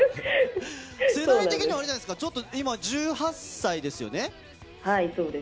世代的にはあれじゃないですか、はい、そうです。